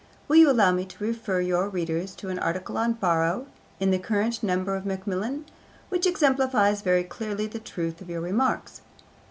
Will you allow me to refer your readers to an article on Borrow, in the current number of Macmillan, which exemplifies very clearly the truth of your remarks?